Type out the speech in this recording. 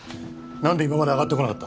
何で今まであがってこなかった？